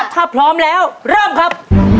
ถ้าพร้อมแล้วเริ่มครับ